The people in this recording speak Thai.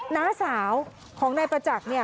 น้าสาวของนายประจักษ์